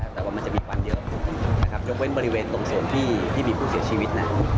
แต่ว่ามันจะมีควันเยอะยกเว้นบริเวณตรงส่วนที่มีผู้เสียชีวิต